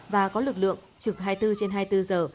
và có lực lượng trực hai mươi bốn trên hai mươi bốn giờ